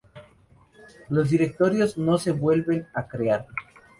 Los directorios no se vuelven a crear.